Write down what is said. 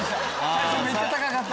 最初めっちゃ高かった。